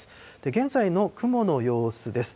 現在の雲の様子です。